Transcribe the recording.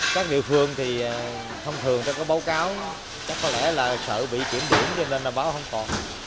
các địa phương thì thông thường có báo cáo chắc có lẽ là sợ bị chuyển điểm cho nên báo không còn